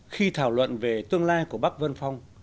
khi thảo luận về tương lai của bắc vân phong